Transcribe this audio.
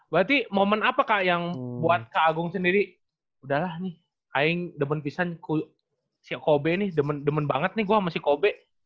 berarti momen apa kak yang buat kak agung sendiri udahlah nih aing demen pisang si kobe nih demen demen banget nih gue masih kobe